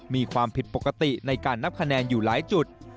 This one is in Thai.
มีความผิดปกติในการนับคะแนนอยู่หลายจุด